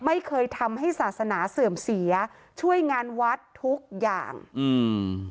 ไม่เคยทำให้ศาสนาเสื่อมเสียช่วยงานวัดทุกอย่างอืม